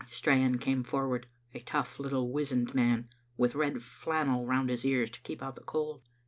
Strachan came forward, a tough, little, wizened man, with red flannel round his ears to keep out the cold.